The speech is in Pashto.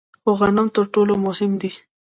خو غنم تر ټولو مهم دي.